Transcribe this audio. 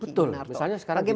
betul misalnya sekarang begini